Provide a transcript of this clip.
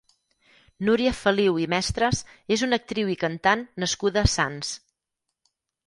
Núria Feliu i Mestres és una actriu i cantant nascuda a Sants.